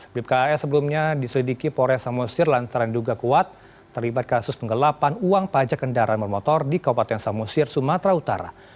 bipkas sebelumnya diselidiki pores samosir lantaran duga kuat terlibat kasus penggelapan uang pajak kendaraan bermotor di kabupaten samosir sumatera utara